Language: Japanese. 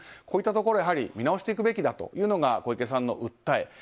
こういったところ見直していくべきだというのが小池さんの訴え。